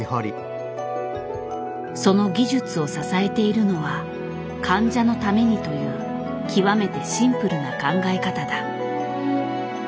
その技術を支えているのは患者のためにという極めてシンプルな考え方だ。